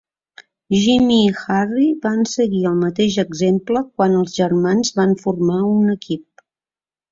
Jimmy i Harry van seguir el mateix exemple quan els germans van formar un equip.